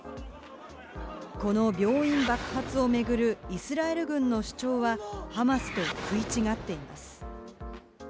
この病院爆発を巡るイスラエル軍の主張は、ハマスと食い違っています。